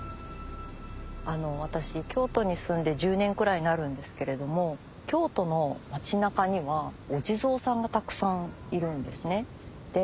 私京都に住んで１０年くらいになるんですけれども京都の街中にはお地蔵さんがたくさんいるんですね。